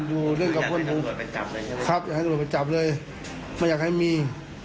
มีไม่มี